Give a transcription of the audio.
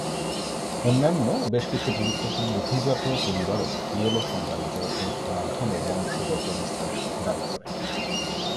অন্যান্য বেশ কিছু গুরুত্বপূর্ণ অভিজাত পরিবারও "ইয়েলো সাম্রাজ্য" এর মাধ্যমে বংশগত বিস্তারের দাবি করে।